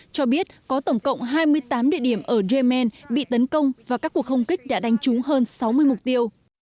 cho biết có tổng cộng hai mươi tám địa điểm ở yemen bị tấn công và các cuộc không kích đã đánh trúng hơn sáu mươi mục tiêu